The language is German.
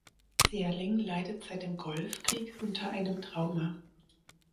Serling leidet seit dem Golfkrieg unter einem Trauma.